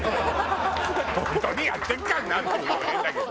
「本当にやってっかんな！」って言うのも変だけど。